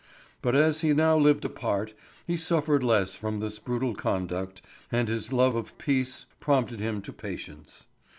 But as he now lived apart he suffered less from this brutal conduct, and his love of peace prompted him to patience.